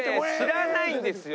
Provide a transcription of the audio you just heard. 知らないんですよ